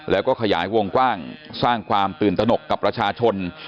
แล้วก็ขยายวงกว้างสร้างความตื่นตนกกับประชาชน